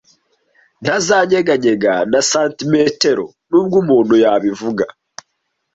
Ntazanyeganyega na santimetero nubwo umuntu yabivuga.